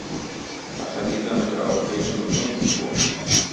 Was hat dieser mit der Europäischen Union zu tun?